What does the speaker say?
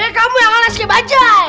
eh kamu yang ngeles kayak bajaj